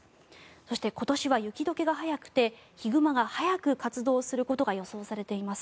そして、今年は雪解けが早くてヒグマが早く活動することが予想されています。